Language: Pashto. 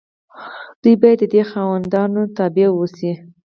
دوی باید د دې خاوندانو تابع واوسي.